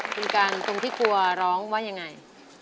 คุณกันตรงที่กลัวร้องว่ายังไง